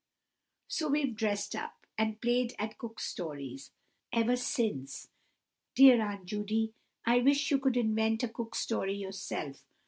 So we've dressed up, and played at Cook Stories, ever since. Dear Aunt Judy, I wish you would invent a Cook Story yourself!"